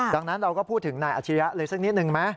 ดังนั้นเราก็พูดถึงนายอาชิริยะเลยสักนิดนึงไหม